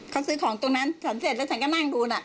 เขาซื้อของตรงนั้นฉันเสร็จแล้วฉันก็นั่งดูน่ะ